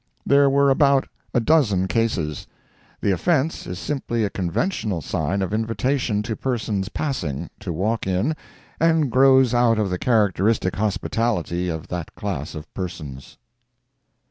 There were about a dozen cases. The offence is simply a conventional sign of invitation to persons passing, to walk in, and grows out of the characteristic hospitality of that class of persons.